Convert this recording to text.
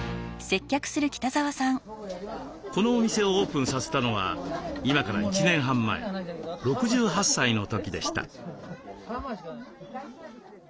このお店をオープンさせたのは今から１年半前６８歳の時でした。